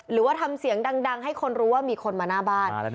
หรือว่าทำเสียงดังให้คนรู้ว่ามีคนมาหน้าบ้าน